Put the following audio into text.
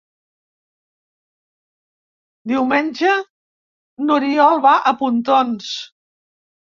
Diumenge n'Oriol va a Pontons.